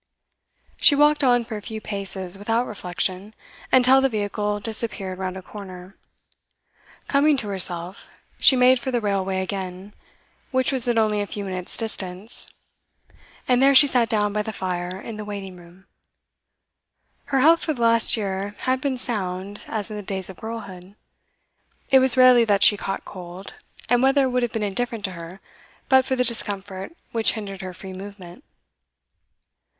She walked on for a few paces without reflection, until the vehicle disappeared round a corner. Coming to herself, she made for the railway again, which was at only a few minutes' distance, and there she sat down by the fire in the waiting room. Her health for the last year had been sound as in the days of girlhood; it was rarely that she caught cold, and weather would have been indifferent to her but for the discomfort which hindered her free movement.